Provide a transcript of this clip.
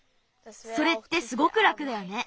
それってすごくらくだよね。